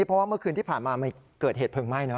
เพราะว่าเมื่อคืนที่ผ่านมามันเกิดเหตุเพลิงไหม้เนอ